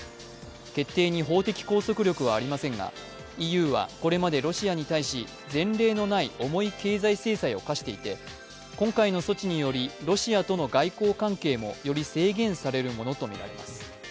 決定に法的拘束力はありませんがＥＵはこれまでロシアに対し前例のない重い経済制裁を科していて今回の措置によりロシアとの外交関係もより制限されるものとみられます。